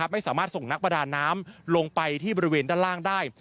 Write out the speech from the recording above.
ไม่สามารถส่งนักประดาน้ำลงไปที่บริเวณด้านล่างได้